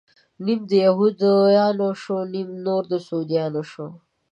نيم د يهود يانو شو، نيم نور د سعوديانو شو